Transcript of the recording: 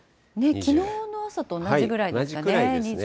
きのうの朝と同じぐらいですかね。